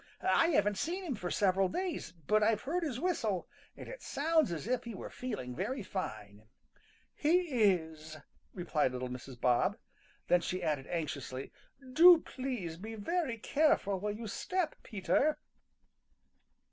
I haven't seen him for several days, but I've heard his whistle and it sounds as if he were feeling very fine." "He is," replied little Mrs. Bob. Then she added anxiously, "Do please be very careful where you step, Peter."